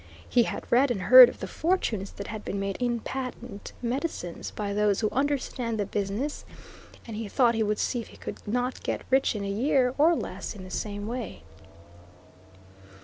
He had read and heard of the fortunes that had been made in patent medicines, by those who understand the business, and he thought he would see if he could not get rich in a year or less in the same way.